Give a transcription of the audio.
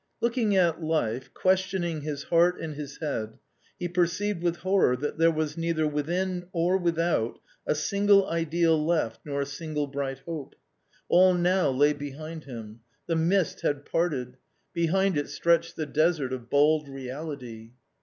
Looking at life, questioning his heart and his head, he perceived with horror that there was neither within or with out a single ideal left nor a single bright hope ; all now lay A COMMON STORY 199 behind him ; the mist had parted ; behind it stretched the desert of bald reality.